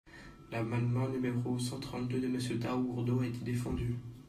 L’amendement numéro cent trente-deux de Monsieur Taugourdeau a été défendu.